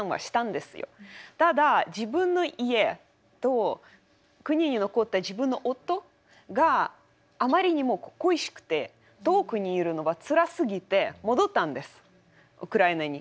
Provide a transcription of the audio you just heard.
ただ自分の家と国に残った自分の夫があまりにも恋しくて遠くにいるのがつらすぎて戻ったんですウクライナに。